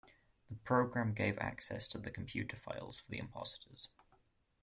The program gave access to the computer files for the impostors.